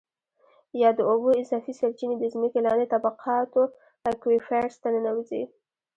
یا د اوبو اضافي سرچېنې د ځمکې لاندې طبقاتو Aquifers ته ننوځي.